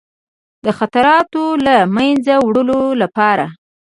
د خطراتو له منځه وړلو لپاره.